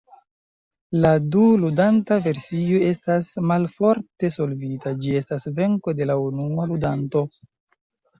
La du-ludanta versio estas malforte solvita; ĝi estas venko de la unua ludanto.